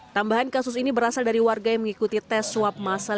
tambahan kasus ini berasal dari warga yang mengikuti tes swab masal